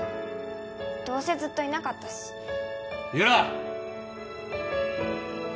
どうせずっといなかったしゆら！